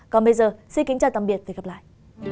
còn bây giờ xin kính chào tạm biệt và hẹn gặp lại